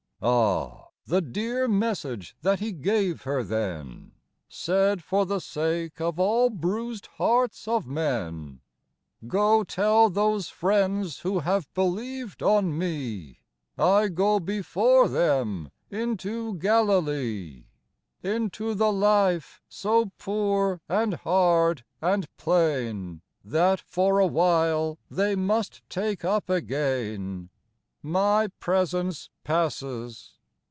88 Ah, the dear message that He gave her then, Said for the sake of all bruised hearts of men !— "Go, tell those friends who have believed on Me, I £0 before them into Galilee. & v Into the life so poor and hard and plain, That for a while they must take up again, My presence passes.